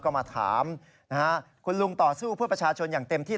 ก็มาถามนะฮะคุณลุงต่อสู้เพื่อประชาชนอย่างเต็มที่